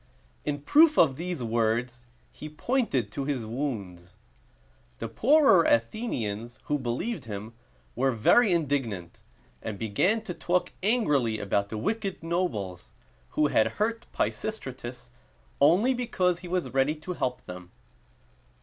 In proof of these words, he pointed to his wounds. The poorer Athenians, who believed him, were very indignant, and began to talk angrily about the wicked nobles, who had hurt Pisistratus only because he was ready to help them.